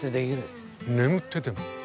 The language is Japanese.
眠ってても？